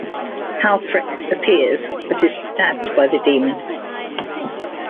Halfrek appears, but is stabbed by the demon.